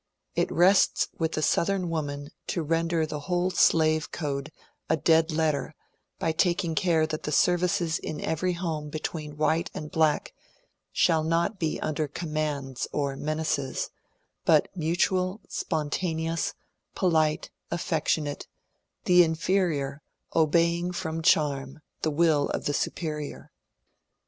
It rests with the Southern woman to render the whole slave code a dead letter by taking care that the services in evei^ home between white and black shall be not under commands or menaces, but mutual, spontaneous, polite, affectionate, — the inferior obeying from charm the will of the superior."